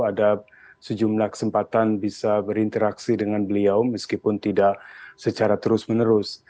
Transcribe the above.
ada sejumlah kesempatan bisa berinteraksi dengan beliau meskipun tidak secara terus menerus